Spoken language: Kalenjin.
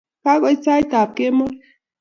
Ka koit sait ap kemoi.